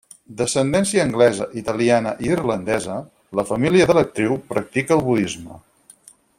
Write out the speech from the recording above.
D'ascendència anglesa, italiana i irlandesa, la família de l'actriu practica el budisme.